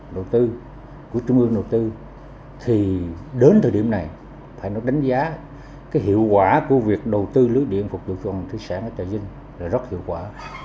đầu tư của trung ương đầu tư thì đến thời điểm này phải nó đánh giá cái hiệu quả của việc đầu tư lưới điện phục vụ cho thủy sản ở trà vinh là rất hiệu quả